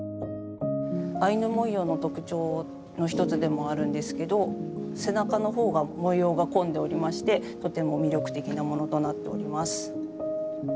アイヌ文様の特徴の一つでもあるんですけど背中の方が模様が込んでおりましてとても魅力的なものとなっております。